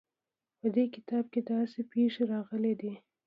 په دې کتاب کې داسې پېښې راغلې دي.